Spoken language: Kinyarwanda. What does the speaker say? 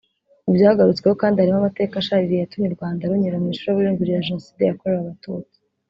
Mu byagarutsweho kandi harimo amateka ashaririye yatumye u Rwanda runyura mu icuraburindi rya Jenoside yakorewe Abatutsi